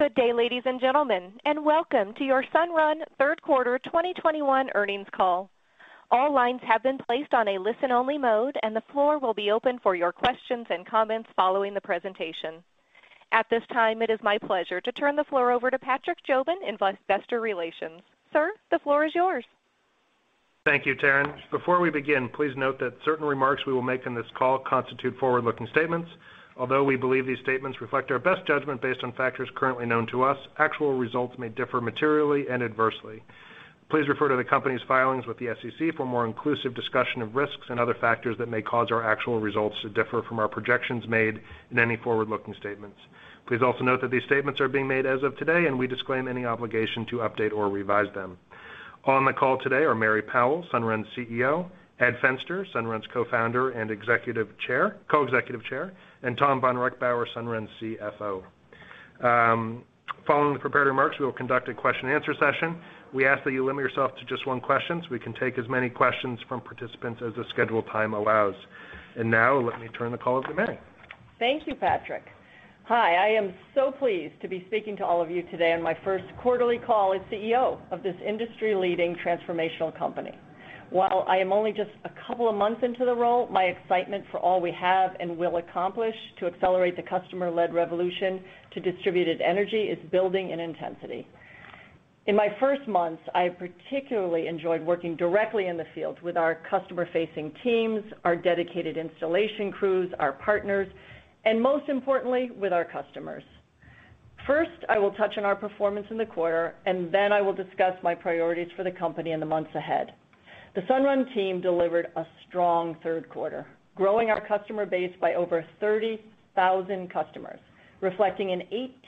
Good day, ladies and gentlemen, and welcome to your Sunrun third quarter 2021 earnings call. All lines have been placed on a listen-only mode, and the floor will be open for your questions and comments following the presentation. At this time, it is my pleasure to turn the floor over to Patrick Jobin in Investor Relations. Sir, the floor is yours. Thank you, Taryn. Before we begin, please note that certain remarks we will make in this call constitute forward-looking statements. Although we believe these statements reflect our best judgment based on factors currently known to us, actual results may differ materially and adversely. Please refer to the company's filings with the SEC for a more inclusive discussion of risks and other factors that may cause our actual results to differ from our projections made in any forward-looking statements. Please also note that these statements are being made as of today, and we disclaim any obligation to update or revise them. On the call today are Mary Powell, Sunrun's CEO, Ed Fenster, Sunrun's co-founder and co-executive chair, and Tom vonReichbauer, Sunrun's CFO. Following the prepared remarks, we will conduct a question-and-answer session. We ask that you limit yourself to just one question, so we can take as many questions from participants as the scheduled time allows. Now, let me turn the call over to Mary. Thank you, Patrick. Hi, I am so pleased to be speaking to all of you today on my first quarterly call as CEO of this industry-leading transformational company. While I am only just a couple of months into the role, my excitement for all we have and will accomplish to accelerate the customer-led revolution to distributed energy is building in intensity. In my first months, I particularly enjoyed working directly in the field with our customer-facing teams, our dedicated installation crews, our partners, and most importantly, with our customers. First, I will touch on our performance in the quarter, and then I will discuss my priorities for the company in the months ahead. The Sunrun team delivered a strong third quarter, growing our customer base by over 30,000 customers, reflecting an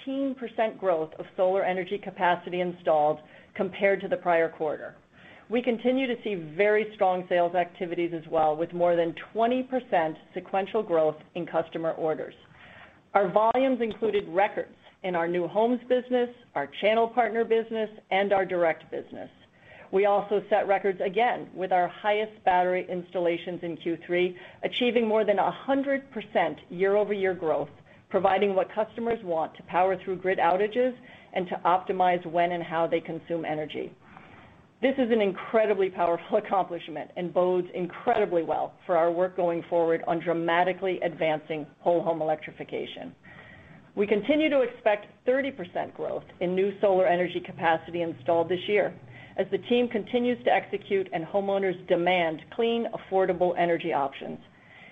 18% growth of solar energy capacity installed compared to the prior quarter. We continue to see very strong sales activities as well, with more than 20% sequential growth in customer orders. Our volumes included records in our new homes business, our channel partner business, and our direct business. We also set records again with our highest battery installations in Q3, achieving more than 100% year-over-year growth, providing what customers want to power through grid outages and to optimize when and how they consume energy. This is an incredibly powerful accomplishment and bodes incredibly well for our work going forward on dramatically advancing whole home electrification. We continue to expect 30% growth in new solar energy capacity installed this year as the team continues to execute and homeowners demand clean, affordable energy options.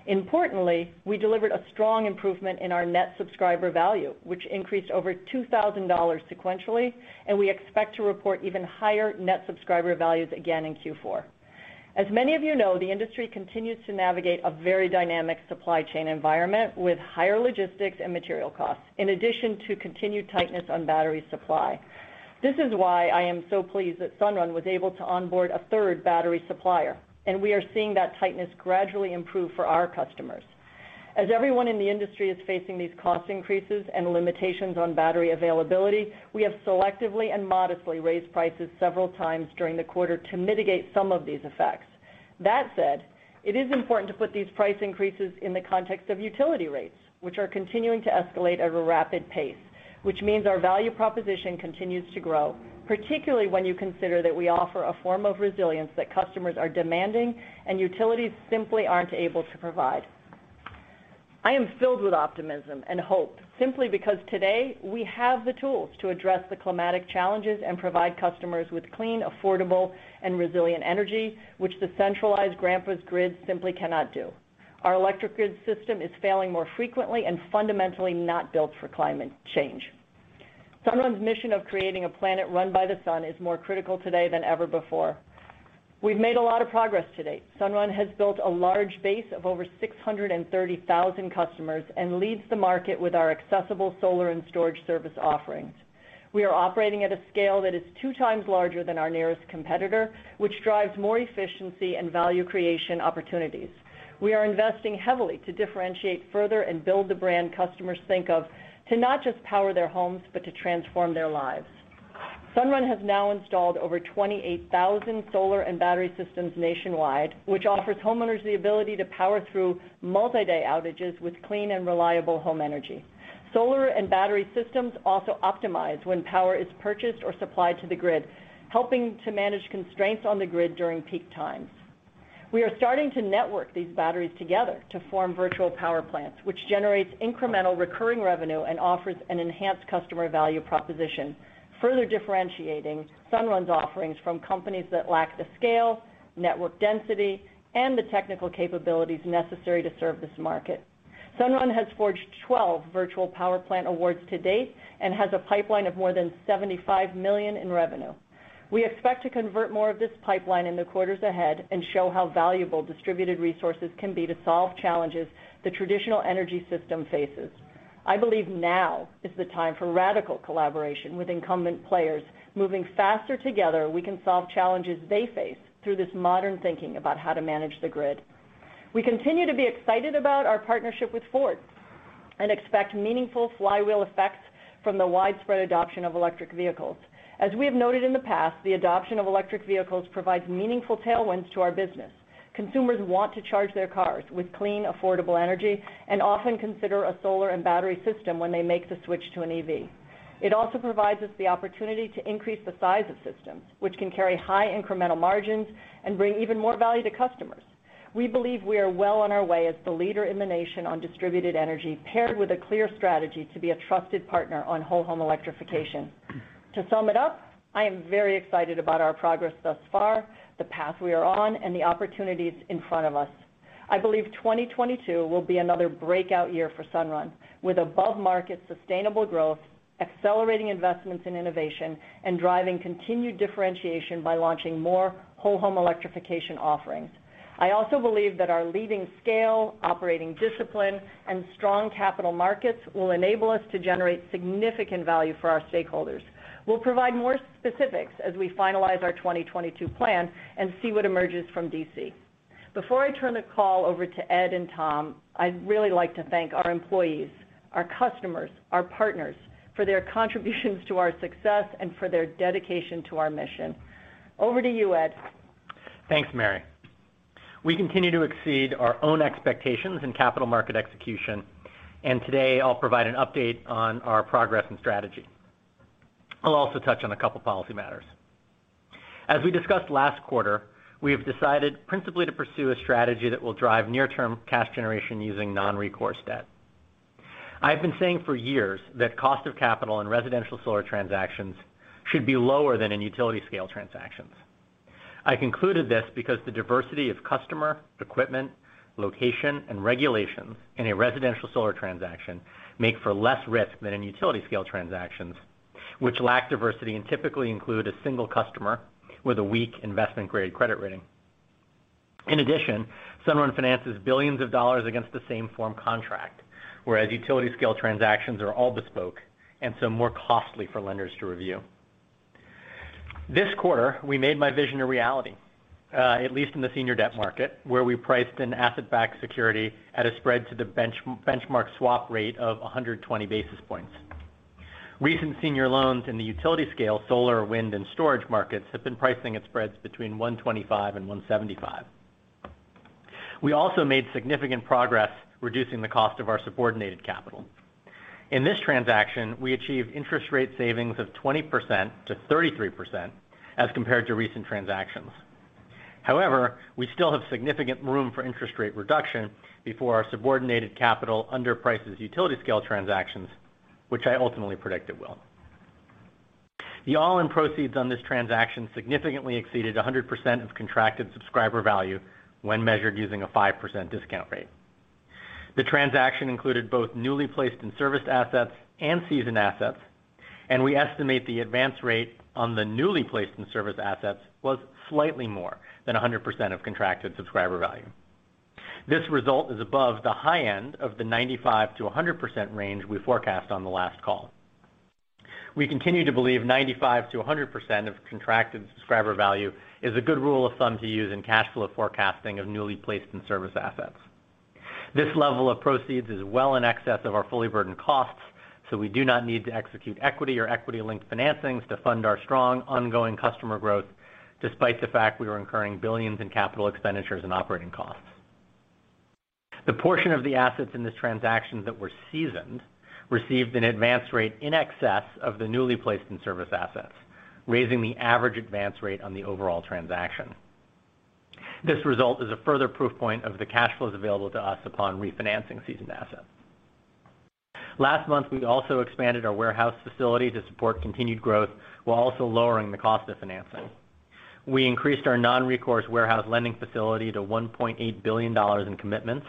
Importantly, we delivered a strong improvement in our Net Subscriber Value, which increased over $2,000 sequentially, and we expect to report even higher Net Subscriber Values again in Q4. As many of you know, the industry continues to navigate a very dynamic supply chain environment with higher logistics and material costs, in addition to continued tightness on battery supply. This is why I am so pleased that Sunrun was able to onboard a third battery supplier, and we are seeing that tightness gradually improve for our customers. As everyone in the industry is facing these cost increases and limitations on battery availability, we have selectively and modestly raised prices several times during the quarter to mitigate some of these effects. That said, it is important to put these price increases in the context of utility rates, which are continuing to escalate at a rapid pace, which means our value proposition continues to grow, particularly when you consider that we offer a form of resilience that customers are demanding and utilities simply aren't able to provide. I am filled with optimism and hope simply because today we have the tools to address the climatic challenges and provide customers with clean, affordable, and resilient energy, which the centralized grandpa's grid simply cannot do. Our electric grid system is failing more frequently and fundamentally not built for climate change. Sunrun's mission of creating a planet run by the sun is more critical today than ever before. We've made a lot of progress to date. Sunrun has built a large base of over 630,000 customers and leads the market with our accessible solar and storage service offerings. We are operating at a scale that is two times larger than our nearest competitor, which drives more efficiency and value creation opportunities. We are investing heavily to differentiate further and build the brand customers think of to not just power their homes, but to transform their lives. Sunrun has now installed over 28,000 solar and battery systems nationwide, which offers homeowners the ability to power through multi-day outages with clean and reliable home energy. Solar and battery systems also optimize when power is purchased or supplied to the grid, helping to manage constraints on the grid during peak times. We are starting to network these batteries together to form virtual power plants, which generates incremental recurring revenue and offers an enhanced customer value proposition, further differentiating Sunrun's offerings from companies that lack the scale, network density, and the technical capabilities necessary to serve this market. Sunrun has forged 12 virtual power plant awards to date and has a pipeline of more than $75 million in revenue. We expect to convert more of this pipeline in the quarters ahead and show how valuable distributed resources can be to solve challenges the traditional energy system faces. I believe now is the time for radical collaboration with incumbent players. Moving faster together, we can solve challenges they face through this modern thinking about how to manage the grid. We continue to be excited about our partnership with Ford and expect meaningful flywheel effects from the widespread adoption of electric vehicles. As we have noted in the past, the adoption of electric vehicles provides meaningful tailwinds to our business. Consumers want to charge their cars with clean, affordable energy and often consider a solar and battery system when they make the switch to an EV. It also provides us the opportunity to increase the size of systems, which can carry high incremental margins and bring even more value to customers. We believe we are well on our way as the leader in the nation on distributed energy, paired with a clear strategy to be a trusted partner on whole home electrification. To sum it up, I am very excited about our progress thus far, the path we are on, and the opportunities in front of us. I believe 2022 will be another breakout year for Sunrun, with above-market sustainable growth, accelerating investments in innovation, and driving continued differentiation by launching more whole home electrification offerings. I also believe that our leading scale, operating discipline, and strong capital markets will enable us to generate significant value for our stakeholders. We'll provide more specifics as we finalize our 2022 plan and see what emerges from D.C. Before I turn the call over to Ed and Tom, I'd really like to thank our employees, our customers, our partners for their contributions to our success and for their dedication to our mission. Over to you, Ed. Thanks, Mary. We continue to exceed our own expectations in capital market execution, and today I'll provide an update on our progress and strategy. I'll also touch on a couple policy matters. As we discussed last quarter, we have decided principally to pursue a strategy that will drive near-term cash generation using non-recourse debt. I have been saying for years that cost of capital in residential solar transactions should be lower than in utility scale transactions. I concluded this because the diversity of customer, equipment, location, and regulation in a residential solar transaction make for less risk than in utility scale transactions, which lack diversity and typically include a single customer with a weak investment-grade credit rating. In addition, Sunrun finances billions of dollars against the same form contract, whereas utility scale transactions are all bespoke and so more costly for lenders to review. This quarter, we made my vision a reality, at least in the senior debt market, where we priced an asset-backed security at a spread to the benchmark swap rate of 120 basis points. Recent senior loans in the utility scale solar, wind, and storage markets have been pricing at spreads between 125-175. We also made significant progress reducing the cost of our subordinated capital. In this transaction, we achieved interest rate savings of 20%-33% as compared to recent transactions. However, we still have significant room for interest rate reduction before our subordinated capital underprices utility scale transactions, which I ultimately predict it will. The all-in proceeds on this transaction significantly exceeded 100% of Contracted Subscriber Value when measured using a 5% discount rate. The transaction included both newly placed in-service assets and seasoned assets, and we estimate the advance rate on the newly placed in-service assets was slightly more than 100% of Contracted Subscriber Value. This result is above the high end of the 95%-100% range we forecast on the last call. We continue to believe 95%-100% of Contracted Subscriber Value is a good rule of thumb to use in cash flow forecasting of newly placed in-service assets. This level of proceeds is well in excess of our fully burdened costs, so we do not need to execute equity or equity-linked financings to fund our strong ongoing customer growth, despite the fact we are incurring billions in capital expenditures and operating costs. The portion of the assets in this transaction that were seasoned received an advance rate in excess of the newly placed in-service assets, raising the average advance rate on the overall transaction. This result is a further proof point of the cash flows available to us upon refinancing seasoned assets. Last month, we also expanded our warehouse facility to support continued growth while also lowering the cost of financing. We increased our non-recourse warehouse lending facility to $1.8 billion in commitments,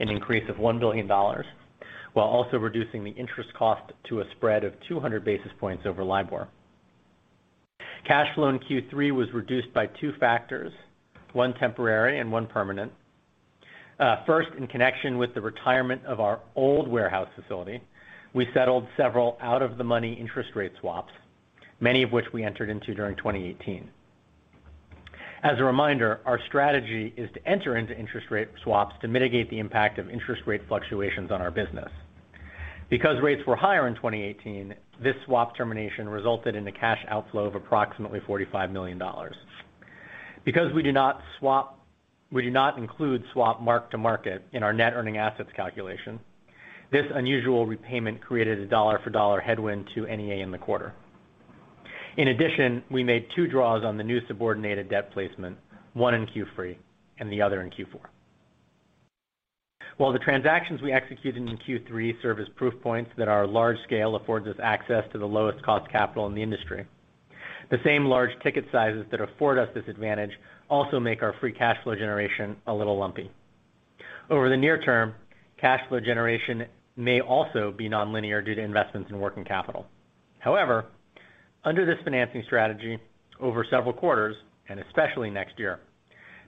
an increase of $1 billion, while also reducing the interest cost to a spread of 200 basis points over LIBOR. Cash flow in Q3 was reduced by two factors, one temporary and one permanent. First, in connection with the retirement of our old warehouse facility, we settled several out-of-the-money interest rate swaps, many of which we entered into during 2018. As a reminder, our strategy is to enter into interest rate swaps to mitigate the impact of interest rate fluctuations on our business. Because rates were higher in 2018, this swap termination resulted in a cash outflow of approximately $45 million. Because we do not include swap mark-to-market in our Net Earning Assets calculation, this unusual repayment created a dollar-for-dollar headwind to NEA in the quarter. In addition, we made two draws on the new subordinated debt placement, one in Q3 and the other in Q4. While the transactions we executed in Q3 serve as proof points that our large scale affords us access to the lowest cost capital in the industry, the same large ticket sizes that afford us this advantage also make our free cash flow generation a little lumpy. Over the near term, cash flow generation may also be nonlinear due to investments in working capital. However, under this financing strategy, over several quarters, and especially next year,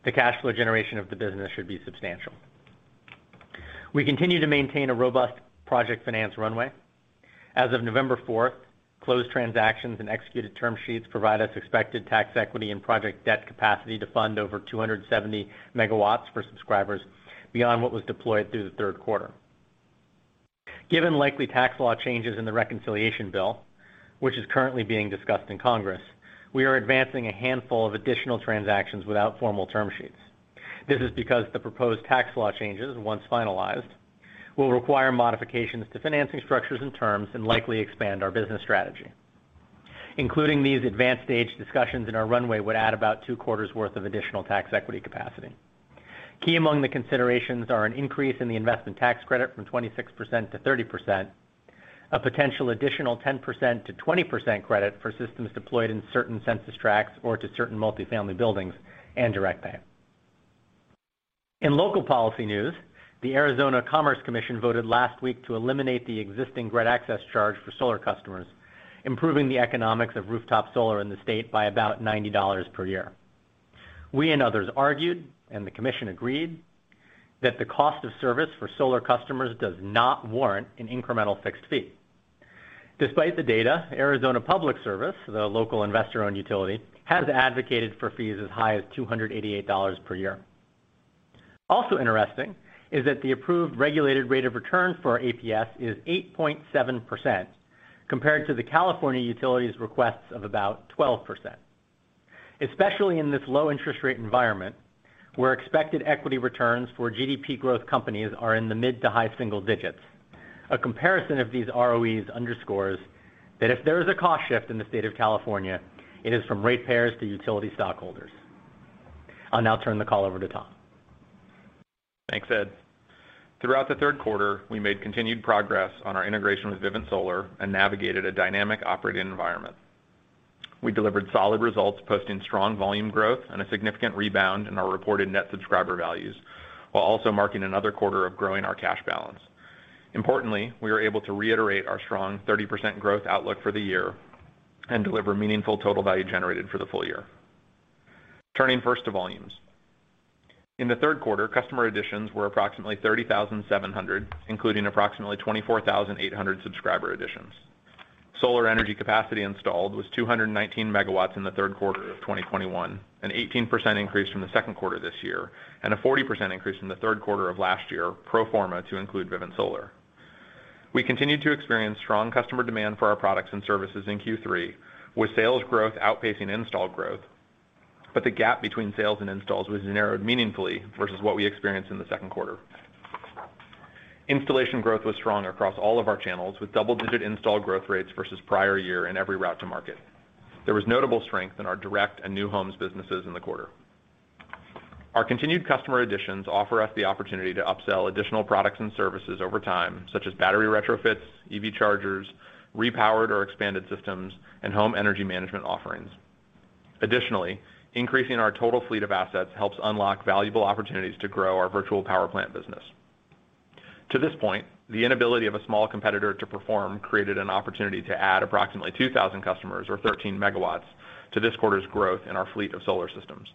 the cash flow generation of the business should be substantial. We continue to maintain a robust project finance runway. As of November 4th, closed transactions and executed term sheets provide us expected tax equity and project debt capacity to fund over 270 MW for subscribers beyond what was deployed through the third quarter. Given likely tax law changes in the reconciliation bill, which is currently being discussed in Congress, we are advancing a handful of additional transactions without formal term sheets. This is because the proposed tax law changes, once finalized, will require modifications to financing structures and terms, and likely expand our business strategy. Including these advanced stage discussions in our runway would add about two quarters worth of additional tax equity capacity. Key among the considerations are an increase in the investment tax credit from 26% to 30%, a potential additional 10%-20% credit for systems deployed in certain census tracts or to certain multi-family buildings, and direct pay. In local policy news, the Arizona Commerce Commission voted last week to eliminate the existing grid access charge for solar customers, improving the economics of rooftop solar in the state by about $90 per year. We and others argued, and the commission agreed, that the cost of service for solar customers does not warrant an incremental fixed fee. Despite the data, Arizona Public Service, the local investor-owned utility, has advocated for fees as high as $288 per year. Also interesting is that the approved regulated rate of return for APS is 8.7% compared to the California utilities requests of about 12%. Especially in this low interest rate environment, where expected equity returns for GARP growth companies are in the mid to high single digits. A comparison of these ROEs underscores that if there is a cost shift in the state of California, it is from rate payers to utility stockholders. I'll now turn the call over to Tom. Thanks, Ed. Throughout the third quarter, we made continued progress on our integration with Vivint Solar and navigated a dynamic operating environment. We delivered solid results, posting strong volume growth and a significant rebound in our reported net subscriber values, while also marking another quarter of growing our cash balance. Importantly, we are able to reiterate our strong 30% growth outlook for the year and deliver meaningful total value generated for the full year. Turning first to volumes. In the third quarter, customer additions were approximately 30,700, including approximately 24,800 subscriber additions. Solar energy capacity installed was 219 MW in the third quarter of 2021, an 18% increase from the second quarter this year, and a 40% increase from the third quarter of last year, pro forma to include Vivint Solar. We continued to experience strong customer demand for our products and services in Q3, with sales growth outpacing install growth, but the gap between sales and installs was narrowed meaningfully versus what we experienced in the second quarter. Installation growth was strong across all of our channels, with double-digit install growth rates versus prior year in every route to market. There was notable strength in our direct and new homes businesses in the quarter. Our continued customer additions offer us the opportunity to upsell additional products and services over time, such as battery retrofits, EV chargers, repowered or expanded systems, and home energy management offerings. Additionally, increasing our total fleet of assets helps unlock valuable opportunities to grow our virtual power plant business. To this point, the inability of a small competitor to perform created an opportunity to add approximately 2,000 customers or 13 MW to this quarter's growth in our fleet of solar systems.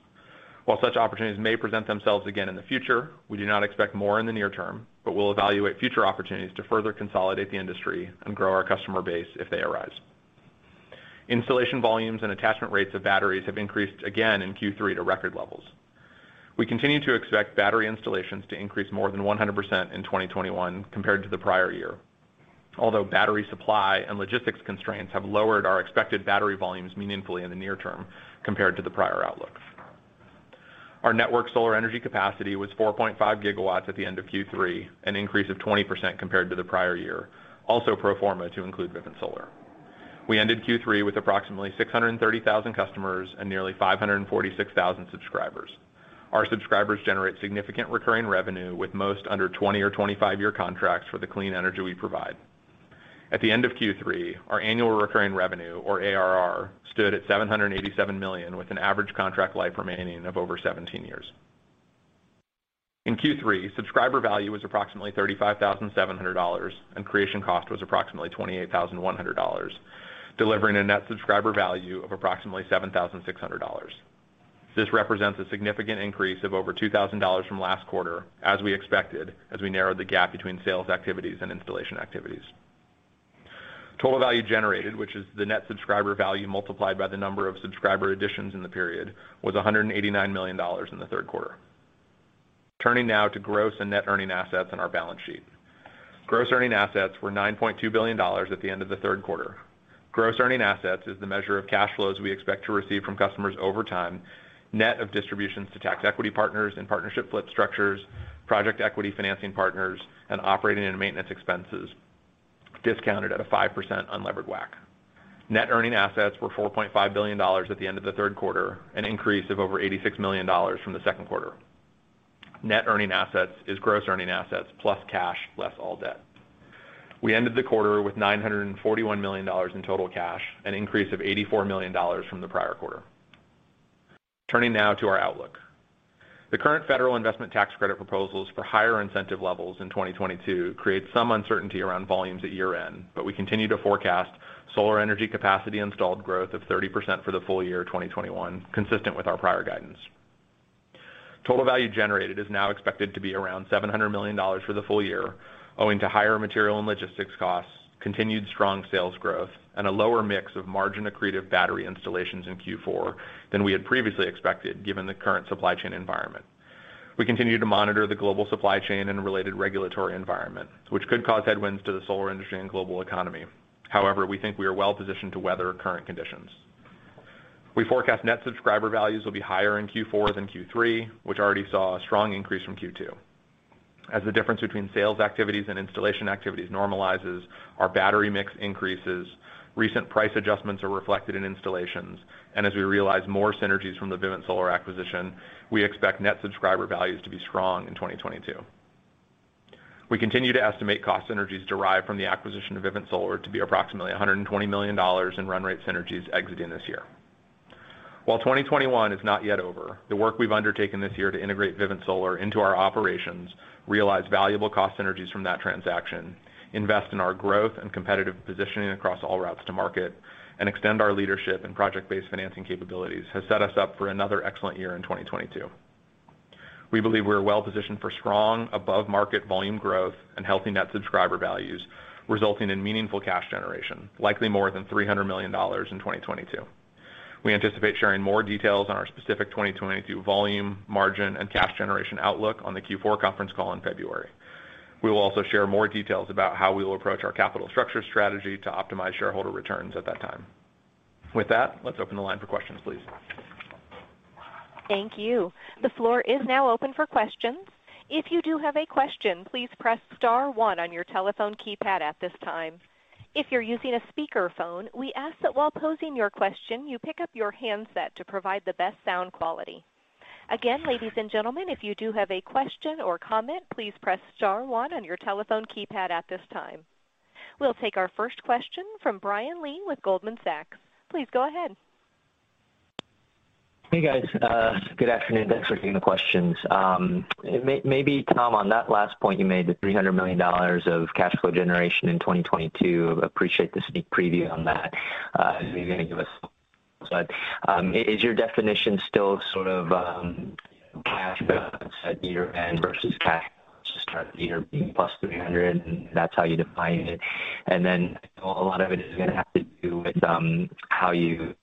While such opportunities may present themselves again in the future, we do not expect more in the near term, but we'll evaluate future opportunities to further consolidate the industry and grow our customer base if they arise. Installation volumes and attachment rates of batteries have increased again in Q3 to record levels. We continue to expect battery installations to increase more than 100% in 2021 compared to the prior year. Although battery supply and logistics constraints have lowered our expected battery volumes meaningfully in the near term compared to the prior outlooks. Our network solar energy capacity was 4.5 GW at the end of Q3, an increase of 20% compared to the prior year, also pro forma to include Vivint Solar. We ended Q3 with approximately 630,000 customers and nearly 546,000 subscribers. Our subscribers generate significant recurring revenue with most under 20- or 25-year contracts for the clean energy we provide. At the end of Q3, our annual recurring revenue, or ARR, stood at $787 million, with an average contract life remaining of over 17 years. In Q3, subscriber value was approximately $35,700, and creation cost was approximately $28,100, delivering a net subscriber value of approximately $7,600. This represents a significant increase of over $2,000 from last quarter, as we expected, as we narrowed the gap between sales activities and installation activities. Total Value Generated, which is the Net Subscriber Value multiplied by the number of subscriber additions in the period, was $189 million in the third quarter. Turning now to Gross and Net Earning Assets on our balance sheet. Gross Earning Assets were $9.2 billion at the end of the third quarter. Gross Earning Assets is the measure of cash flows we expect to receive from customers over time, net of distributions to tax equity partners in partnership flip structures, project equity financing partners, and operating and maintenance expenses discounted at a 5% unlevered WACC. Net Earning Assets were $4.5 billion at the end of the third quarter, an increase of over $86 million from the second quarter. Net Earning Assets is Gross Earning Assets plus cash, less all debt. We ended the quarter with $941 million in total cash, an increase of $84 million from the prior quarter. Turning now to our outlook. The current federal investment tax credit proposals for higher incentive levels in 2022 create some uncertainty around volumes at year-end, but we continue to forecast solar energy capacity installed growth of 30% for the full year 2021, consistent with our prior guidance. Total Value Generated is now expected to be around $700 million for the full year, owing to higher material and logistics costs, continued strong sales growth, and a lower mix of margin accretive battery installations in Q4 than we had previously expected, given the current supply chain environment. We continue to monitor the global supply chain and related regulatory environment, which could cause headwinds to the solar industry and global economy. However, we think we are well-positioned to weather current conditions. We forecast Net Subscriber Values will be higher in Q4 than Q3, which already saw a strong increase from Q2. As the difference between sales activities and installation activities normalizes, our battery mix increases, recent price adjustments are reflected in installations, and as we realize more synergies from the Vivint Solar acquisition, we expect Net Subscriber Values to be strong in 2022. We continue to estimate cost synergies derived from the acquisition of Vivint Solar to be approximately $120 million in run rate synergies exiting this year. While 2021 is not yet over, the work we've undertaken this year to integrate Vivint Solar into our operations realize valuable cost synergies from that transaction, invest in our growth and competitive positioning across all routes to market, and extend our leadership and project-based financing capabilities has set us up for another excellent year in 2022. We believe we're well-positioned for strong above-market volume growth and healthy net subscriber values, resulting in meaningful cash generation, likely more than $300 million in 2022. We anticipate sharing more details on our specific 2022 volume, margin, and cash generation outlook on the Q4 conference call in February. We will also share more details about how we will approach our capital structure strategy to optimize shareholder returns at that time. With that, let's open the line for questions, please. Thank you. The floor is now open for questions. If you do have a question, please press star one on your telephone keypad at this time. If you're using a speakerphone, we ask that while posing your question, you pick up your handset to provide the best sound quality. Again, ladies and gentlemen, if you do have a question or comment, please press star one on your telephone keypad at this time. We'll take our first question from Brian Lee with Goldman Sachs. Please go ahead. Hey, guys. Good afternoon. Thanks for taking the questions. Maybe, Tom, on that last point you made, the $300 million of cash flow generation in 2022, appreciate the sneak preview on that. Is your definition still sort of, you know, cash balance at year-end versus cash at the start of the year being +$300 million, and that's how you define it? Then I know a lot of it is gonna have to do with how you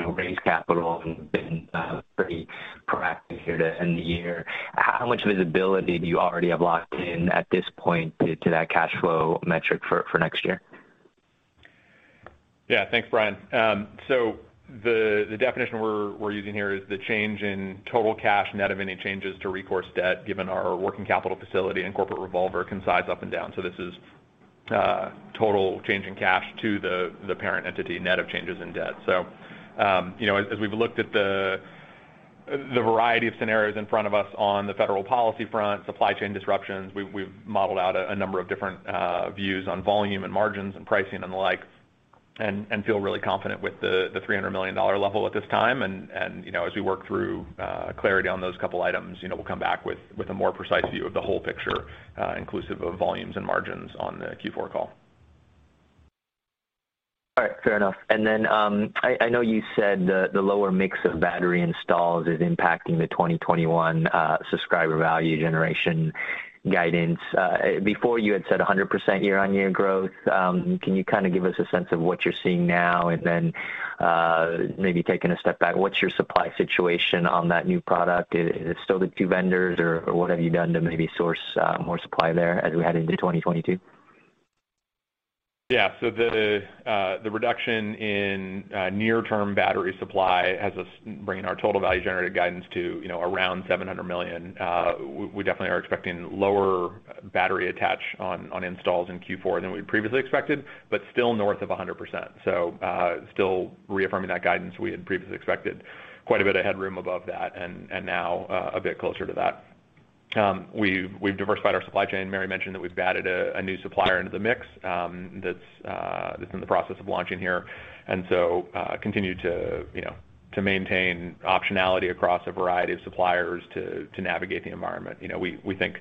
know, raise capital and have been pretty proactive here to end the year. How much visibility do you already have locked in at this point to that cash flow metric for next year? Yeah. Thanks, Brian. The definition we're using here is the change in total cash net of any changes to recourse debt given our working capital facility and corporate revolver can size up and down. This is total change in cash to the parent entity net of changes in debt. You know, as we've looked at the variety of scenarios in front of us on the federal policy front, supply chain disruptions, we've modeled out a number of different views on volume and margins and pricing and the like, and feel really confident with the $300 million level at this time. You know, as we work through clarity on those couple items, you know, we'll come back with a more precise view of the whole picture, inclusive of volumes and margins on the Q4 call. All right. Fair enough. I know you said the lower mix of battery installs is impacting the 2021 subscriber value generation guidance. Before you had said 100% year-on-year growth. Can you kinda give us a sense of what you're seeing now? Maybe taking a step back, what's your supply situation on that new product? Is it still the two vendors, or what have you done to maybe source more supply there as we head into 2022? Yeah. The reduction in near-term battery supply has us bringing our Total Value Generated guidance to, you know, around $700 million. We definitely are expecting lower battery attach on installs in Q4 than we previously expected, but still north of 100%. Still reaffirming that guidance. We had previously expected quite a bit of headroom above that and now a bit closer to that. We've diversified our supply chain. Mary mentioned that we've added a new supplier into the mix, that's in the process of launching here. Continue to, you know, maintain optionality across a variety of suppliers to navigate the environment. You know, we think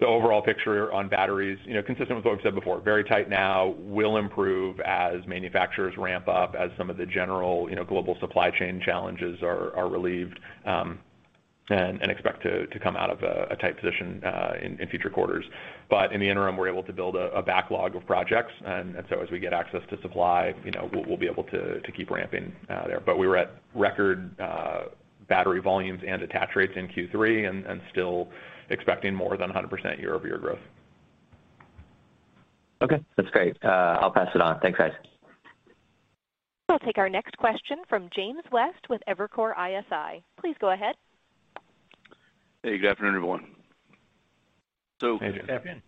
the overall picture on batteries, you know, consistent with what we've said before, very tight now, will improve as manufacturers ramp up as some of the general, you know, global supply chain challenges are relieved, and expect to come out of a tight position in future quarters. In the interim, we're able to build a backlog of projects. As we get access to supply, you know, we'll be able to keep ramping there. We were at record battery volumes and attach rates in Q3 and still expecting more than 100% year-over-year growth. Okay. That's great. I'll pass it on. Thanks, guys. We'll take our next question from James West with Evercore ISI. Please go ahead. Hey, good afternoon, everyone. Hey, good afternoon.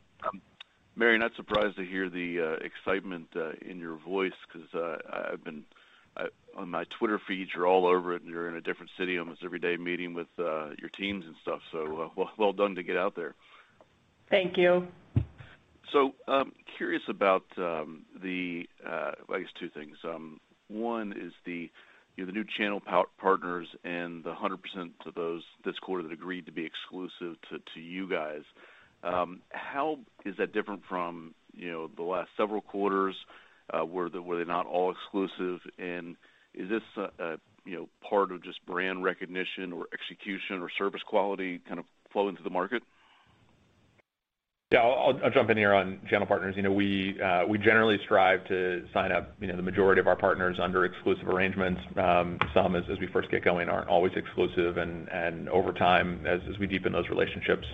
Mary, not surprised to hear the excitement in your voice because I’ve been on my Twitter feed, you’re all over it, and you’re in a different city almost every day meeting with your teams and stuff. Well done to get out there. Thank you. I'm curious about, I guess, two things. One is the, you know, the new channel partners and the 100% of those this quarter that agreed to be exclusive to you guys. How is that different from, you know, the last several quarters, were they not all exclusive? And is this a you know, part of just brand recognition or execution or service quality kind of flow into the market? Yeah. I'll jump in here on channel partners. You know, we generally strive to sign up, you know, the majority of our partners under exclusive arrangements. Some as we first get going aren't always exclusive. Over time, as we deepen those relationships,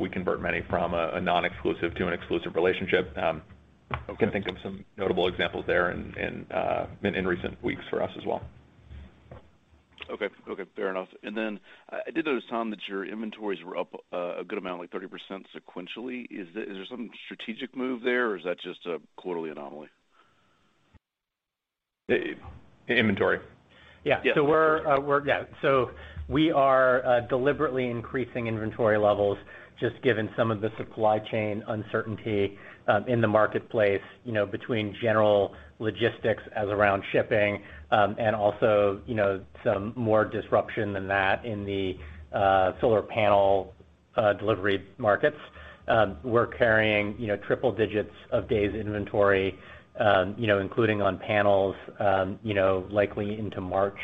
we convert many from a non-exclusive to an exclusive relationship. Okay. Can think of some notable examples there in recent weeks for us as well. Okay. Okay, fair enough. I did notice, Tom, that your inventories were up a good amount, like 30% sequentially. Is there some strategic move there or is that just a quarterly anomaly? The inventory? Yeah. Yeah. We are deliberately increasing inventory levels just given some of the supply chain uncertainty in the marketplace, you know, between general logistics issues around shipping, and also, you know, some more disruption than that in the solar panel delivery markets. We're carrying, you know, triple digits of days inventory, you know, including on panels, you know, likely into March.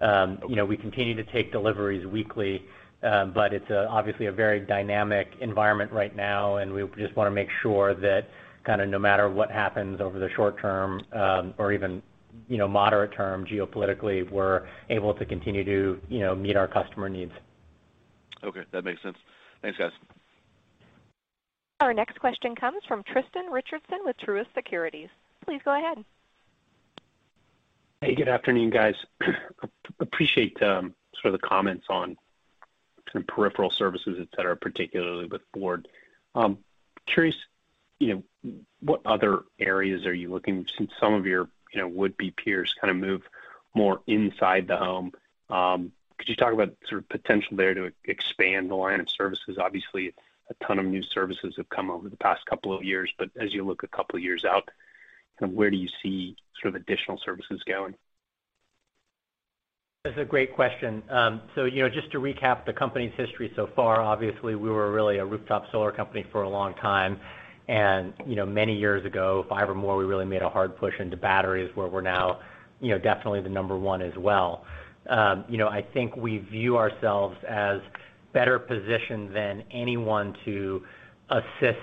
You know, we continue to take deliveries weekly, but it's obviously a very dynamic environment right now, and we just wanna make sure that kinda no matter what happens over the short term, or even, you know, moderate term geopolitically, we're able to continue to, you know, meet our customer needs. Okay, that makes sense. Thanks, guys. Our next question comes from Tristan Richardson with Truist Securities. Please go ahead. Hey, good afternoon, guys. Appreciate sort of the comments on kind of peripheral services, et cetera, particularly with Ford. Curious, you know, what other areas are you looking since some of your, you know, would-be peers kind of move more inside the home. Could you talk about sort of potential there to expand the line of services? Obviously, a ton of new services have come over the past couple of years, but as you look a couple of years out, kind of where do you see sort of additional services going? That's a great question. You know, just to recap the company's history so far, obviously, we were really a rooftop solar company for a long time. You know, many years ago, five or more, we really made a hard push into batteries where we're now, you know, definitely the number one as well. You know, I think we view ourselves as better positioned than anyone to assist,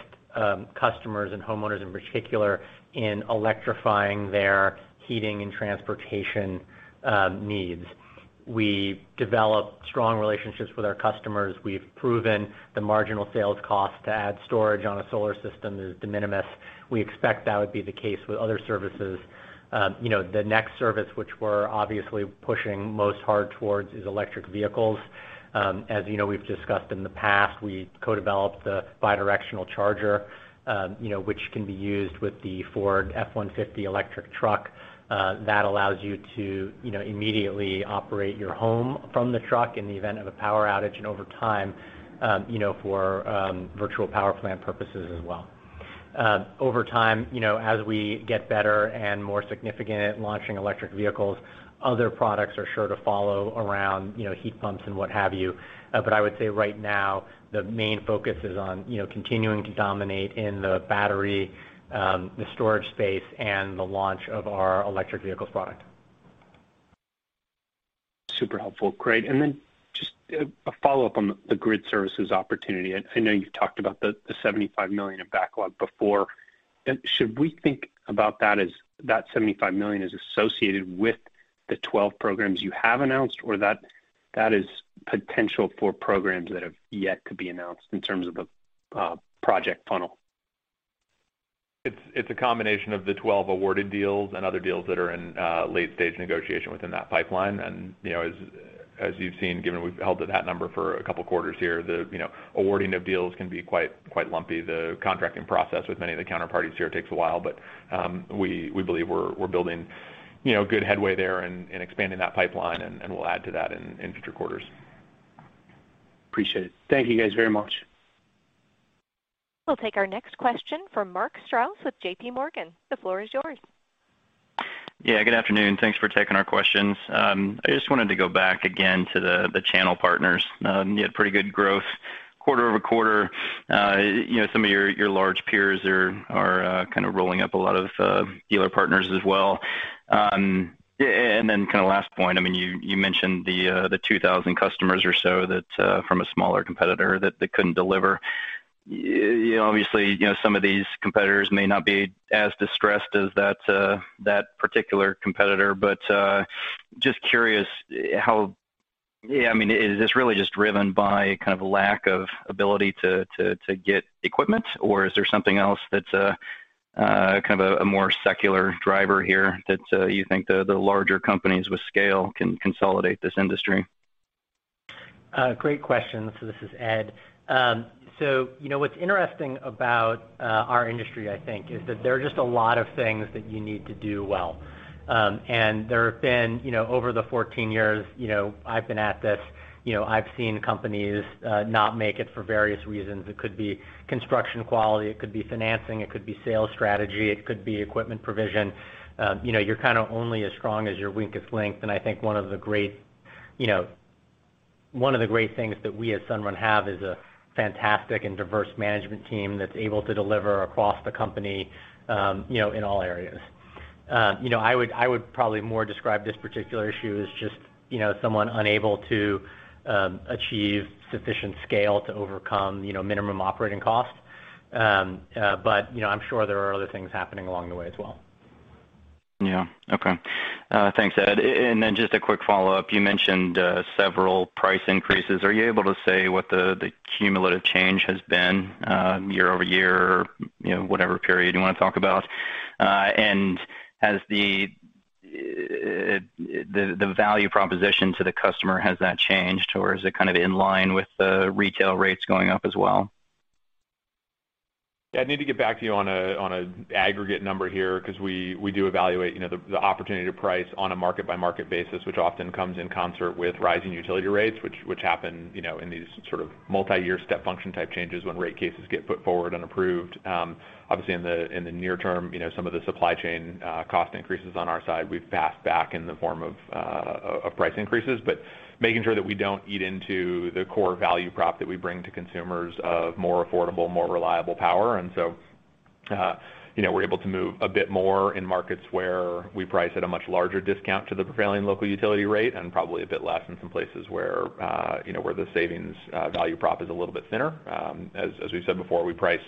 customers and homeowners in particular in electrifying their heating and transportation, needs. We develop strong relationships with our customers. We've proven the marginal sales cost to add storage on a solar system is de minimis. We expect that would be the case with other services. You know, the next service which we're obviously pushing most hard towards is electric vehicles. As you know, we've discussed in the past, we co-developed the bi-directional charger, you know, which can be used with the Ford F-150 electric truck, that allows you to, you know, immediately operate your home from the truck in the event of a power outage and over time, you know, for virtual power plant purposes as well. Over time, you know, as we get better and more significant at launching electric vehicles, other products are sure to follow around, you know, heat pumps and what have you. I would say right now, the main focus is on, you know, continuing to dominate in the battery, the storage space and the launch of our electric vehicles product. Super helpful. Great. Then just a follow-up on the grid services opportunity. I know you've talked about the $75 million in backlog before. Should we think about that as that $75 million is associated with the 12 programs you have announced, or that is potential for programs that have yet to be announced in terms of the project funnel? It's a combination of the 12 awarded deals and other deals that are in late-stage negotiation within that pipeline. You know, as you've seen, given we've held to that number for a couple quarters here, you know, the awarding of deals can be quite lumpy. The contracting process with many of the counterparties here takes a while, but we believe we're building you know, good headway there and expanding that pipeline, and we'll add to that in future quarters. Appreciate it. Thank you guys very much. We'll take our next question from Mark Strouse with JPMorgan. The floor is yours. Yeah, good afternoon. Thanks for taking our questions. I just wanted to go back again to the channel partners. You had pretty good growth quarter over quarter. You know, some of your large peers are kind of rolling up a lot of dealer partners as well. Then kinda last point, I mean, you mentioned the 2,000 customers or so from a smaller competitor that they couldn't deliver. You know, obviously, you know, some of these competitors may not be as distressed as that particular competitor. Iust curious how? Yeah, I mean, is this really just driven by kind of lack of ability to get equipment, or is there something else that's kind of a more secular driver here that you think the larger companies with scale can consolidate this industry? Great question. This is Ed. You know, what's interesting about our industry, I think, is that there are just a lot of things that you need to do well. There have been, you know, over the 14 years, you know, I've been at this, you know, I've seen companies not make it for various reasons. It could be construction quality, it could be financing, it could be sales strategy, it could be equipment provision. You know, you're kinda only as strong as your weakest link. I think one of the great, you know, one of the great things that we at Sunrun have is a fantastic and diverse management team that's able to deliver across the company, you know, in all areas. You know, I would probably more describe this particular issue as just, you know, someone unable to achieve sufficient scale to overcome, you know, minimum operating costs. You know, I'm sure there are other things happening along the way as well. Yeah. Okay. Thanks, Ed. Then just a quick follow-up. You mentioned several price increases. Are you able to say what the cumulative change has been year-over-year, you know, whatever period you wanna talk about? Has the value proposition to the customer changed, or is it kind of in line with the retail rates going up as well? Yeah, I need to get back to you on a aggregate number here because we do evaluate, you know, the opportunity to price on a market-by-market basis, which often comes in concert with rising utility rates, which happen, you know, in these sort of multiyear step function type changes when rate cases get put forward and approved. Obviously in the near term, you know, some of the supply chain cost increases on our side, we've passed back in the form of price increases. Making sure that we don't eat into the core value prop that we bring to consumers of more affordable, more reliable power. You know, we're able to move a bit more in markets where we price at a much larger discount to the prevailing local utility rate and probably a bit less in some places where, you know, where the savings, value prop is a little bit thinner. As we said before, we price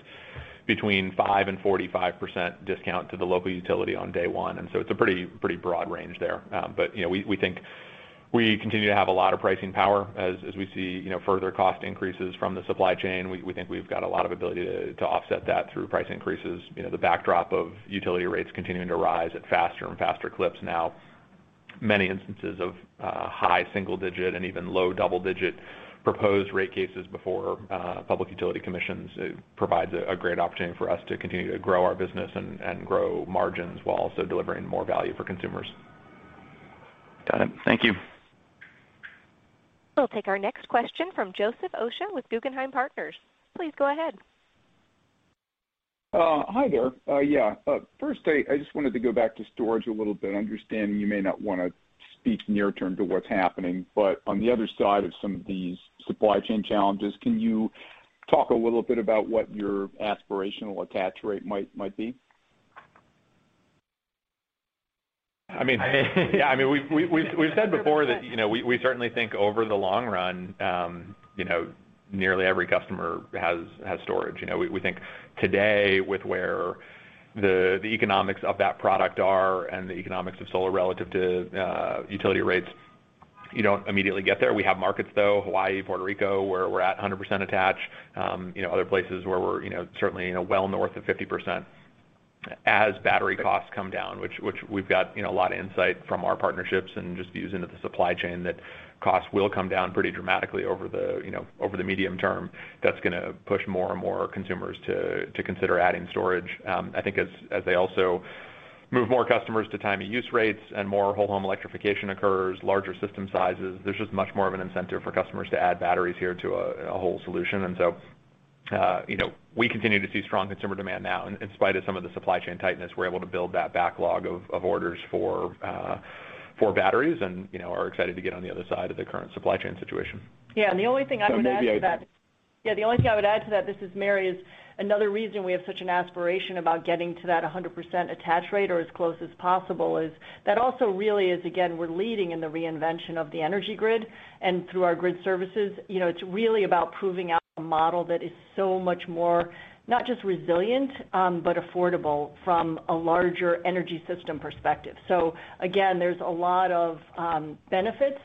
between 5% and 45% discount to the local utility on day one, and so it's a pretty broad range there. You know, we think we continue to have a lot of pricing power as we see, you know, further cost increases from the supply chain. We think we've got a lot of ability to offset that through price increases. You know, the backdrop of utility rates continuing to rise at faster and faster clips now. Many instances of high single-digit and even low double-digit proposed rate cases before public utility commissions. It provides a great opportunity for us to continue to grow our business and grow margins while also delivering more value for consumers. Got it. Thank you. We'll take our next question from Joseph Osha with Guggenheim Securities. Please go ahead. Hi there. Yeah, first I just wanted to go back to storage a little bit. I understand you may not wanna speak near term to what's happening, but on the other side of some of these supply chain challenges, can you talk a little bit about what your aspirational attach rate might be? I mean yeah. I mean, we've said before that, you know, we certainly think over the long run, you know, nearly every customer has storage. You know, we think today with where the economics of that product are and the economics of solar relative to utility rates, you don't immediately get there. We have markets though, Hawaii, Puerto Rico, where we're at 100% attached. You know, other places where we're, you know, certainly, you know, well north of 50%. As battery costs come down, which we've got, you know, a lot of insight from our partnerships and just views into the supply chain that costs will come down pretty dramatically over the, you know, over the medium term. That's gonna push more and more consumers to consider adding storage. I think as they also move more customers to time-of-use rates and more whole home electrification occurs, larger system sizes, there's just much more of an incentive for customers to add batteries here to a whole solution. You know, we continue to see strong consumer demand now in spite of some of the supply chain tightness. We're able to build that backlog of orders for batteries and, you know, are excited to get on the other side of the current supply chain situation. Yeah. The only thing I would add to that. So maybe I. Yeah, the only thing I would add to that, this is Mary, is another reason we have such an aspiration about getting to that 100% attach rate or as close as possible is that also really is, again, we're leading in the reinvention of the energy grid. Through our grid services, you know, it's really about proving out a model that is so much more, not just resilient, but affordable from a larger energy system perspective. Again, there's a lot of benefits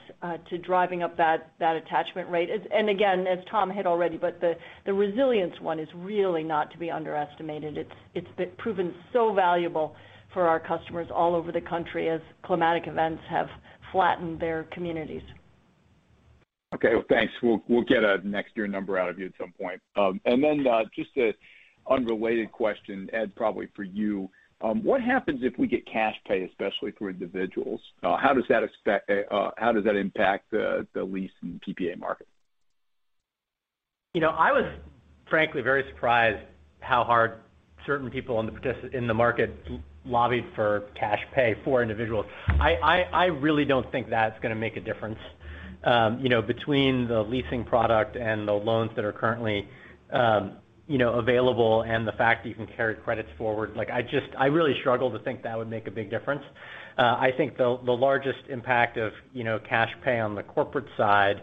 to driving up that attachment rate. Again, as Tom hit already, but the resilience one is really not to be underestimated. It's been proven so valuable for our customers all over the country as climatic events have flattened their communities. Okay. Well, thanks. We'll get a next year number out of you at some point. Just an unrelated question, Ed, probably for you. What happens if we get direct pay, especially for individuals? How does that impact the lease and PPA market? You know, I was frankly very surprised how hard certain people in the market lobbied for cash pay for individuals. I really don't think that's gonna make a difference. You know, between the leasing product and the loans that are currently available and the fact that you can carry credits forward, like I really struggle to think that would make a big difference. I think the largest impact of cash pay on the corporate side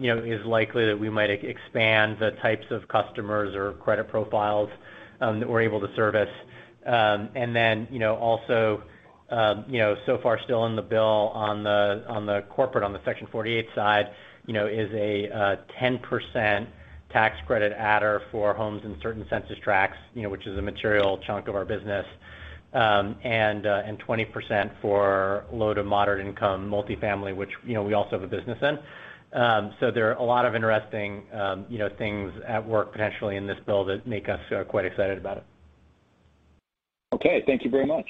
is likely that we might expand the types of customers or credit profiles that we're able to service. You know, also, you know, so far still in the bill on the corporate, on the Section 48 side, you know, is a 10% tax credit adder for homes in certain census tracts, you know, which is a material chunk of our business, and 20% for low to moderate income multifamily, which, you know, we also have a business in. There are a lot of interesting, you know, things at work potentially in this bill that make us quite excited about it. Okay. Thank you very much.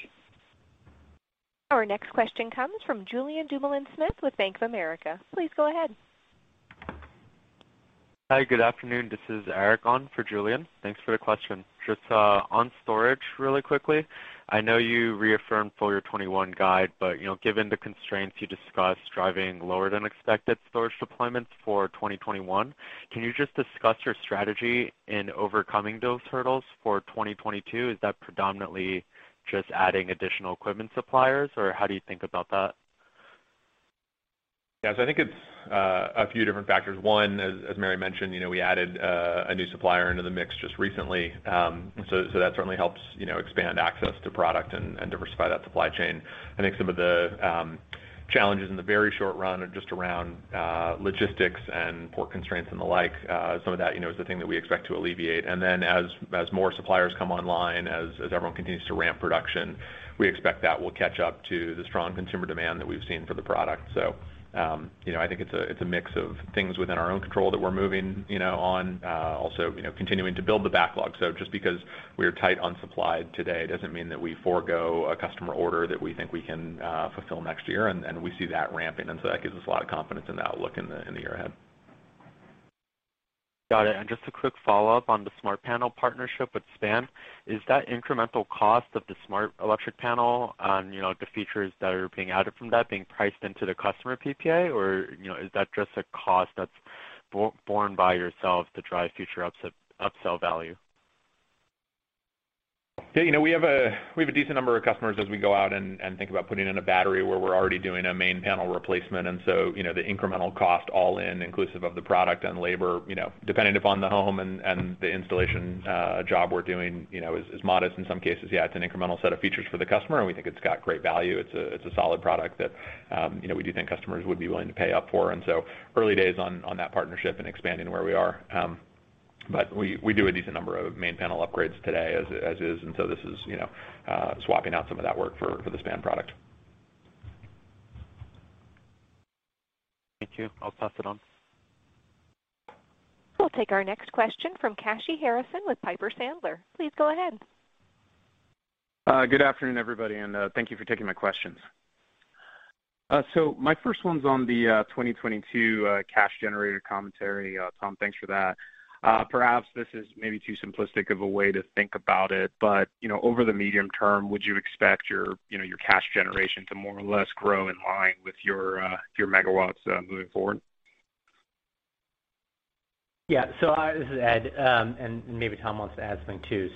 Our next question comes from Julien Dumoulin-Smith with Bank of America. Please go ahead. Hi, good afternoon. This is Eric on for Julian. Thanks for the question. Just on storage really quickly. I know you reaffirmed full year 2021 guide, but you know, given the constraints you discussed driving lower than expected storage deployments for 2021, can you just discuss your strategy in overcoming those hurdles for 2022? Is that predominantly just adding additional equipment suppliers, or how do you think about that? Yeah. I think it's a few different factors. One, as Mary mentioned, you know, we added a new supplier into the mix just recently. That certainly helps, you know, expand access to product and diversify that supply chain. I think some of the challenges in the very short run are just around logistics and port constraints and the like. Some of that, you know, is the thing that we expect to alleviate. As more suppliers come online, as everyone continues to ramp production, we expect that will catch up to the strong consumer demand that we've seen for the product. You know, I think it's a mix of things within our own control that we're moving on, also continuing to build the backlog. Just because we are tight on supply today doesn't mean that we forego a customer order that we think we can fulfill next year, and we see that ramping. That gives us a lot of confidence in the outlook in the year ahead. Got it. Just a quick follow-up on the smart panel partnership with SPAN. Is that incremental cost of the smart electric panel on, you know, the features that are being added from that being priced into the customer PPA? Or, you know, is that just a cost that's borne by yourself to drive future upsell value? Yeah, you know, we have a decent number of customers as we go out and think about putting in a battery where we're already doing a main panel replacement. You know, the incremental cost all-inclusive of the product and labor, you know, dependent upon the home and the installation job we're doing, you know, is modest in some cases. Yeah, it's an incremental set of features for the customer, and we think it's got great value. It's a solid product that, you know, we do think customers would be willing to pay up for. Early days on that partnership and expanding where we are. We do a decent number of main panel upgrades today as is. This is, you know, swapping out some of that work for the SPAN product. Thank you. I'll pass it on. We'll take our next question from Kashy Harrison with Piper Sandler. Please go ahead. Good afternoon, everybody, and thank you for taking my questions. My first one's on the 2022 cash generation commentary. Tom, thanks for that. Perhaps this is maybe too simplistic of a way to think about it, but you know, over the medium term, would you expect your, you know, your cash generation to more or less grow in line with your megawatts moving forward? Yeah. This is Ed, and maybe Tom wants to add something too.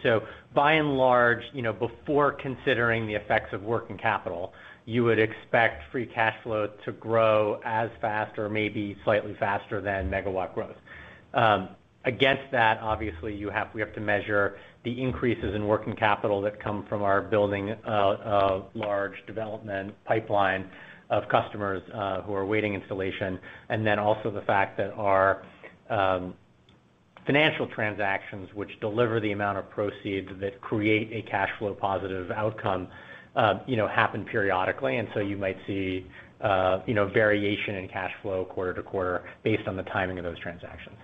By and large, you know, before considering the effects of working capital, you would expect free cash flow to grow as fast or maybe slightly faster than megawatt growth. Against that, obviously, you have, we have to measure the increases in working capital that come from our building a large development pipeline of customers who are waiting installation. Also the fact that our financial transactions, which deliver the amount of proceeds that create a cash flow positive outcome, you know, happen periodically. You might see, you know, variation in cash flow quarter to quarter based on the timing of those transactions.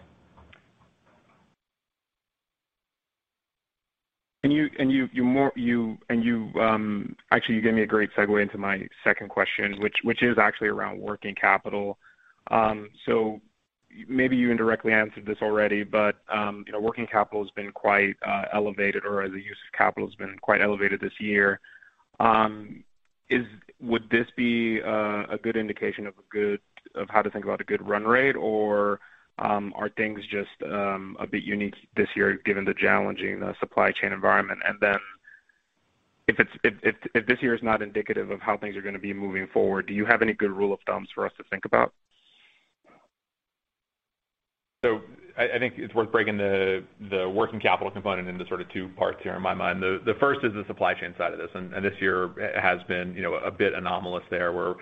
Actually, you gave me a great segue into my second question, which is actually around working capital. Maybe you indirectly answered this already, but you know, working capital has been quite elevated or the use of capital has been quite elevated this year. Would this be a good indication of how to think about a good run rate? Or, are things just a bit unique this year given the challenging supply chain environment? If this year is not indicative of how things are gonna be moving forward, do you have any good rule of thumb for us to think about? I think it's worth breaking the working capital component into sort of two parts here in my mind. The first is the supply chain side of this, and this year has been, you know, a bit anomalous there, where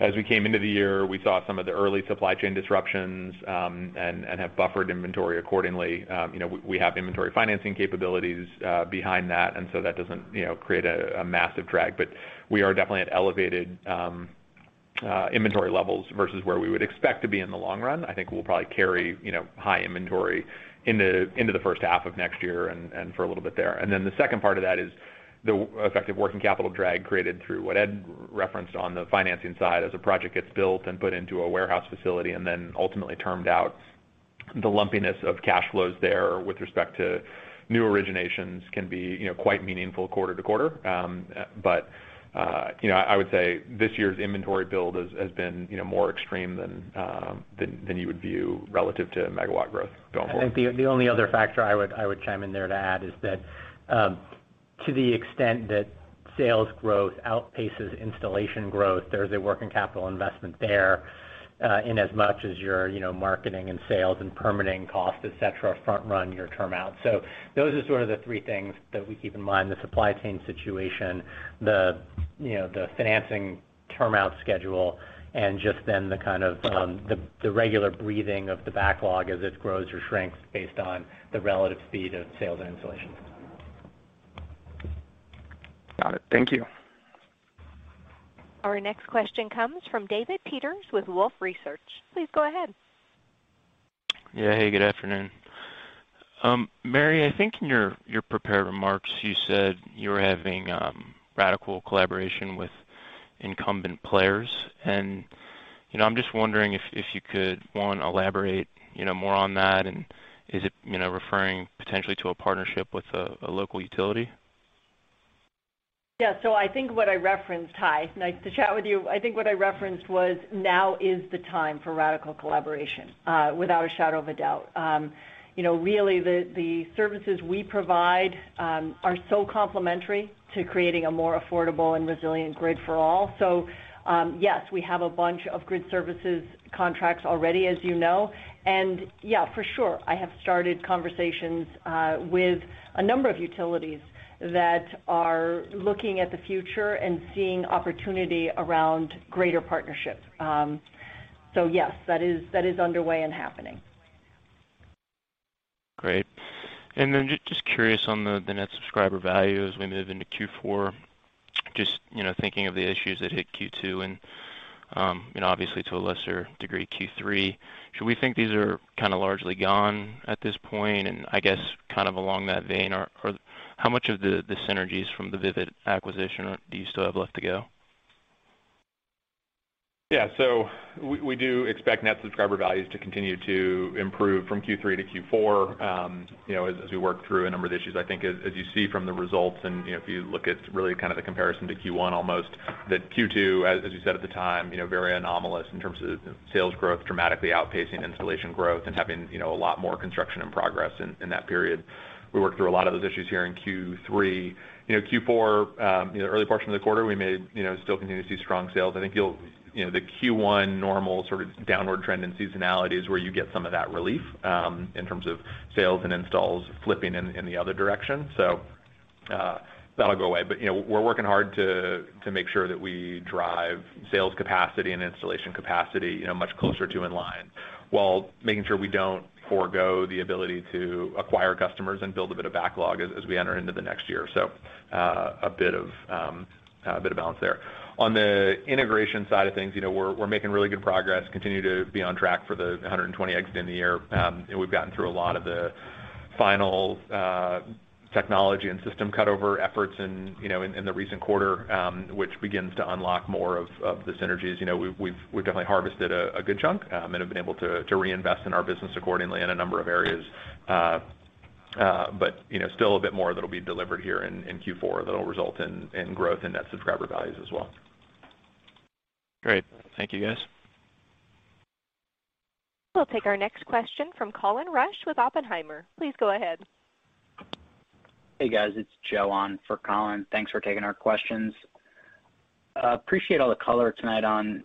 as we came into the year, we saw some of the early supply chain disruptions, and have buffered inventory accordingly. You know, we have inventory financing capabilities behind that, and so that doesn't, you know, create a massive drag. We are definitely at elevated inventory levels versus where we would expect to be in the long run. I think we'll probably carry, you know, high inventory into the first half of next year and for a little bit there. The second part of that is the effective working capital drag created through what Ed referenced on the financing side as a project gets built and put into a warehouse facility and then ultimately termed out. The lumpiness of cash flows there with respect to new originations can be, you know, quite meaningful quarter to quarter. You know, I would say this year's inventory build has been, you know, more extreme than you would view relative to megawatt growth going forward. I think the only other factor I would chime in there to add is that, to the extent that sales growth outpaces installation growth, there's a working capital investment there, in as much as your, you know, marketing and sales and permitting costs, et cetera, front run your term out. Those are sort of the three things that we keep in mind, the supply chain situation, you know, the financing term out schedule, and just then the kind of, the regular breathing of the backlog as it grows or shrinks based on the relative speed of sales and installations. Got it. Thank you. Our next question comes from David Peters with Wolfe Research. Please go ahead. Yeah. Hey, good afternoon. Mary, I think in your prepared remarks, you said you were having radical collaboration with incumbent players. You know, I'm just wondering if you could elaborate more on that, and is it, you know, referring potentially to a partnership with a local utility? Yeah. I think what I referenced. Hi, nice to chat with you. I think what I referenced was now is the time for radical collaboration, without a shadow of a doubt. You know, really, the services we provide are so complementary to creating a more affordable and resilient grid for all. Yes, we have a bunch of grid services contracts already, as you know. Yeah, for sure, I have started conversations with a number of utilities that are looking at the future and seeing opportunity around greater partnerships. Yes, that is underway and happening. Great. Just curious on the Net Subscriber Value as we move into Q4. You know, thinking of the issues that hit Q2 and obviously to a lesser degree, Q3. Should we think these are kinda largely gone at this point? I guess kind of along that vein, how much of the synergies from the Vivint acquisition do you still have left to go? Yeah. We do expect Net Subscriber Values to continue to improve from Q3 to Q4, you know, as we work through a number of issues. I think as you see from the results and, you know, if you look at really kind of the comparison to Q1 almost, that Q2, as you said at the time, you know, very anomalous in terms of sales growth, dramatically outpacing installation growth and having, you know, a lot more construction in progress in that period. We worked through a lot of those issues here in Q3. You know, Q4, in the early portion of the quarter, we may, you know, still continue to see strong sales. I think you'll. You know, the Q1 normal sort of downward trend in seasonality is where you get some of that relief, in terms of sales and installs flipping in the other direction. That'll go away. You know, we're working hard to make sure that we drive sales capacity and installation capacity, you know, much closer to in line, while making sure we don't forego the ability to acquire customers and build a bit of backlog as we enter into the next year. A bit of balance there. On the integration side of things, you know, we're making really good progress, continue to be on track for the 120 exit in the year. We've gotten through a lot of the final technology and system cut-over efforts in the recent quarter, which begins to unlock more of the synergies. You know, we've definitely harvested a good chunk and have been able to reinvest in our business accordingly in a number of areas. You know, still a bit more that'll be delivered here in Q4 that'll result in growth in net subscriber values as well. Great. Thank you, guys. We'll take our next question from Colin Rusch with Oppenheimer. Please go ahead. Hey, guys. It's Joe on for Colin. Thanks for taking our questions. Appreciate all the color tonight on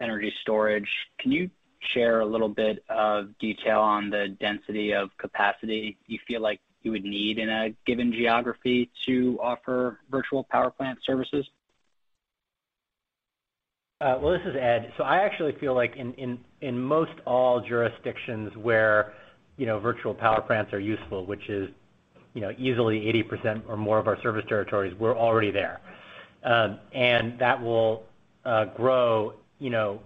energy storage. Can you share a little bit of detail on the density of capacity you feel like you would need in a given geography to offer virtual power plant services? This is Ed. I actually feel like in most all jurisdictions where virtual power plants are useful, which is easily 80% or more of our service territories, we're already there. That will grow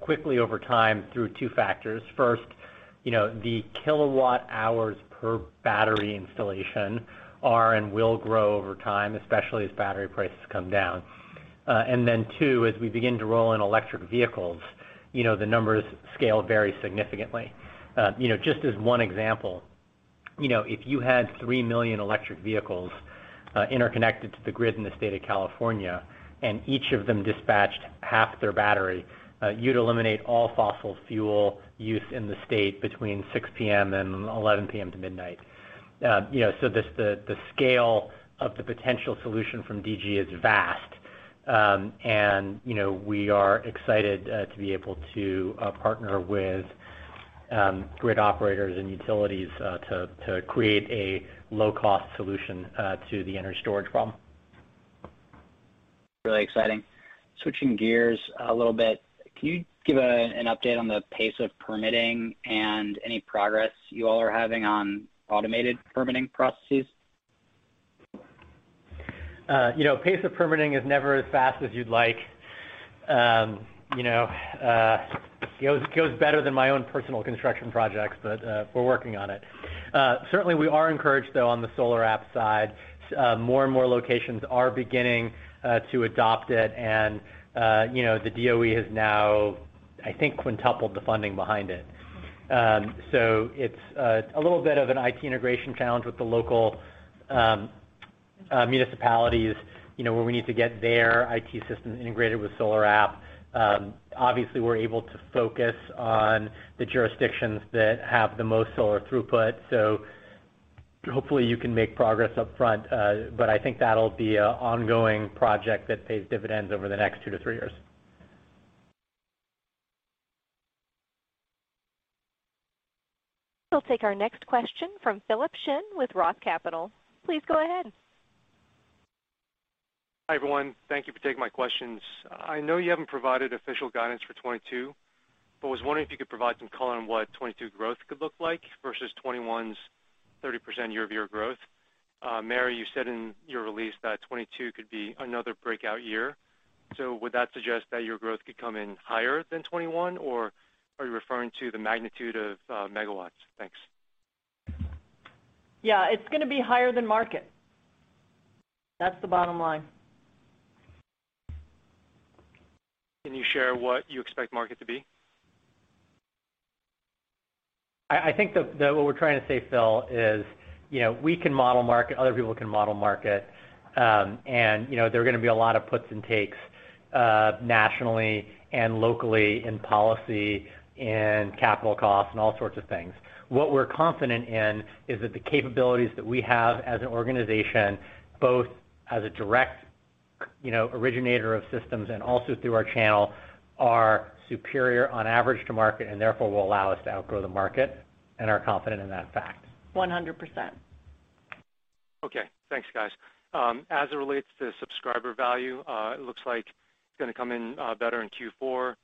quickly over time through two factors. First, the kilowatt hours per battery installation are and will grow over time, especially as battery prices come down. Then two, as we begin to roll in electric vehicles, the numbers scale very significantly. Just as one example, if you had 3 million electric vehicles interconnected to the grid in the state of California, and each of them dispatched half their battery, you'd eliminate all fossil fuel use in the state between 6 P.M. and 11 P.M. to midnight. You know, the scale of the potential solution from DG is vast. You know, we are excited to be able to partner with grid operators and utilities to create a low-cost solution to the energy storage problem. Really exciting. Switching gears a little bit, can you give an update on the pace of permitting and any progress you all are having on automated permitting processes? You know, pace of permitting is never as fast as you'd like. You know, it goes better than my own personal construction projects, but we're working on it. Certainly we are encouraged, though, on the SolarAPP+ side. More and more locations are beginning to adopt it. You know, the DOE has now, I think, quintupled the funding behind it. It's a little bit of an IT integration challenge with the local municipalities, you know, where we need to get their IT systems integrated with SolarAPP+. Obviously, we're able to focus on the jurisdictions that have the most solar throughput. Hopefully you can make progress upfront. I think that'll be an ongoing project that pays dividends over the next two to three years. We'll take our next question from Philip Shen with Roth Capital. Please go ahead. Hi, everyone. Thank you for taking my questions. I know you haven't provided official guidance for 2022, but was wondering if you could provide some color on what 2022 growth could look like versus 2021's 30% year-over-year growth. Mary, you said in your release that 2022 could be another breakout year. Would that suggest that your growth could come in higher than 2021? Or are you referring to the magnitude of megawatts? Thanks. Yeah. It's gonna be higher than market. That's the bottom line. Can you share what you expect the market to be? I think that what we're trying to say, Phil, is, you know, we can model the market, other people can model the market. You know, there are gonna be a lot of puts and takes, nationally and locally in policy and capital costs and all sorts of things. What we're confident in is that the capabilities that we have as an organization, both as a direct, you know, originator of systems and also through our channel, are superior on average to the market, and therefore will allow us to outgrow the market and are confident in that fact. 100%. Okay, thanks guys. As it relates to subscriber value, it looks like it's gonna come in better in Q4.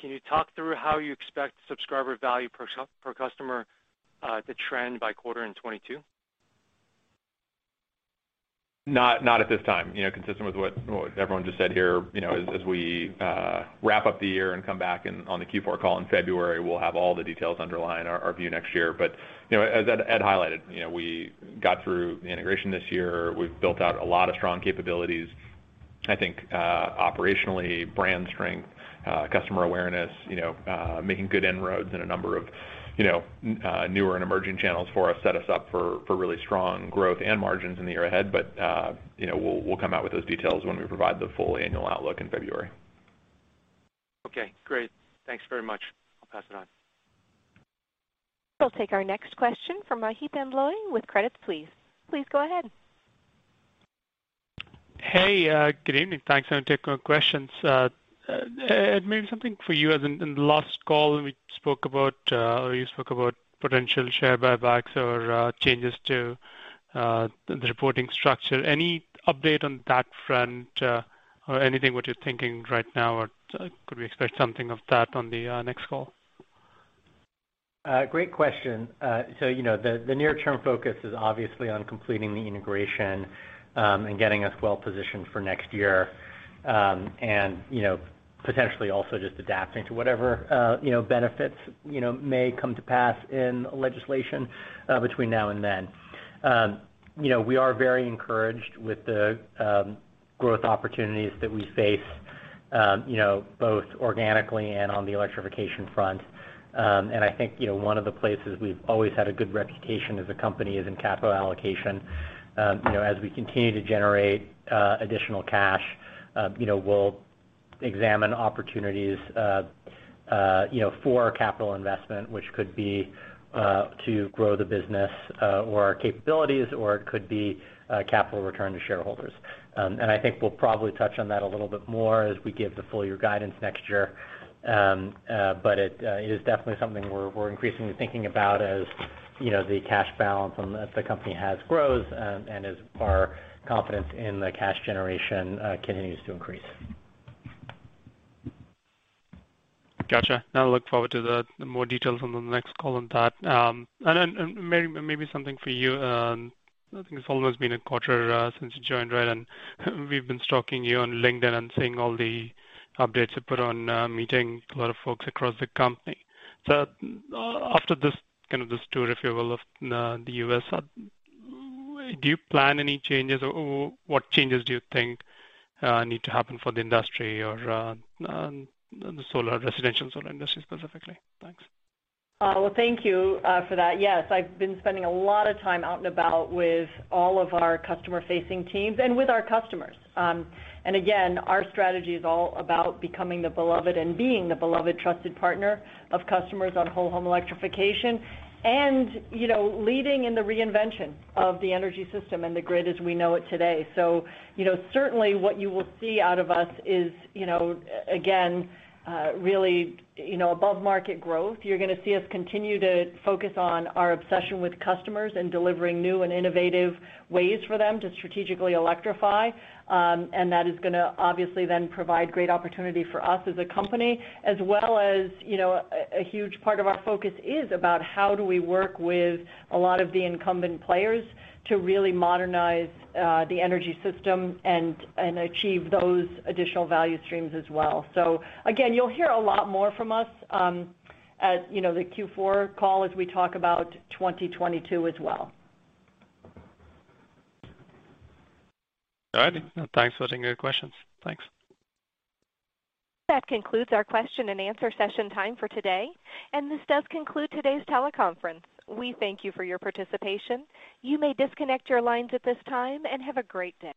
Can you talk through how you expect subscriber value per customer to trend by quarter in 2022? Not at this time. You know, consistent with what everyone just said here, you know, as we wrap up the year and come back and on the Q4 call in February, we'll have all the details underlying our view next year. You know, as Ed highlighted, you know, we got through the integration this year. We've built out a lot of strong capabilities. I think, operationally, brand strength, customer awareness, you know, making good inroads in a number of, you know, newer and emerging channels for us, set us up for really strong growth and margins in the year ahead. You know, we'll come out with those details when we provide the full annual outlook in February. Okay, great. Thanks very much. I'll pass it on. We'll take our next question from Maheep Mandloi with Credit Suisse. Please go ahead. Hey, good evening. Thanks. I'm taking questions. Ed, maybe something for you. In the last call we spoke about, or you spoke about potential share buybacks or changes to the reporting structure. Any update on that front, or anything what you're thinking right now or could we expect something of that on the next call? Great question. You know, the near term focus is obviously on completing the integration, and getting us well positioned for next year. You know, potentially also just adapting to whatever, you know, benefits, you know, may come to pass in legislation, between now and then. You know, we are very encouraged with the growth opportunities that we face, you know, both organically and on the electrification front. I think, you know, one of the places we've always had a good reputation as a company is in capital allocation. You know, as we continue to generate additional cash, you know, we'll examine opportunities, you know, for capital investment, which could be to grow the business, or our capabilities, or it could be capital return to shareholders. I think we'll probably touch on that a little bit more as we give the full year guidance next year. It is definitely something we're increasingly thinking about as, you know, the cash balance on the company as it grows and as our confidence in the cash generation continues to increase. Gotcha. I look forward to the more details on the next call on that. Maybe something for you. I think it's almost been a quarter since you joined, right? We've been stalking you on LinkedIn and seeing all the updates you put on, meeting a lot of folks across the company. After this kind of tour, if you will, of the U.S., do you plan any changes or what changes do you think need to happen for the industry or the solar residential solar industry specifically? Thanks. Well, thank you for that. Yes, I've been spending a lot of time out and about with all of our customer facing teams and with our customers. Again, our strategy is all about becoming the beloved and being the beloved trusted partner of customers on whole home electrification and, you know, leading in the reinvention of the energy system and the grid as we know it today. You know, certainly what you will see out of us is, you know, really, you know, above market growth. You're gonna see us continue to focus on our obsession with customers and delivering new and innovative ways for them to strategically electrify. That is gonna obviously then provide great opportunity for us as a company as well as, you know, a huge part of our focus is about how do we work with a lot of the incumbent players to really modernize the energy system and achieve those additional value streams as well. Again, you'll hear a lot more from us at, you know, the Q4 call as we talk about 2022 as well. All right. Thanks for taking the questions. Thanks. That concludes our question and answer session time for today, and this does conclude today's teleconference. We thank you for your participation. You may disconnect your lines at this time, and have a great day.